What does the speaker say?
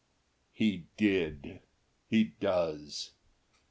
He did. He does.